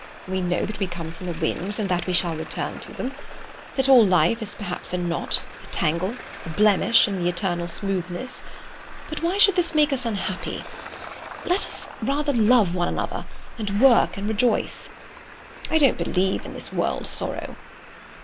We know that we come from the winds, and that we shall return to them; that all life is perhaps a knot, a tangle, a blemish in the eternal smoothness. But why should this make us unhappy? Let us rather love one another, and work and rejoice. I don't believe in this world sorrow."